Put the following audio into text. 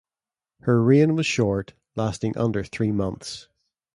Her reign was short, lasting under three months.